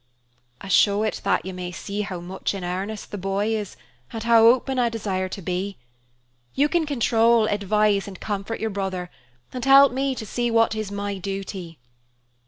"I show it that you may see how much in earnest 'the boy' is, and how open I desire to be. You can control, advise, and comfort your brother, and help me to see what is my duty."